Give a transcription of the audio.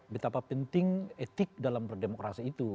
betapa penting etik dalam berdemokrasi itu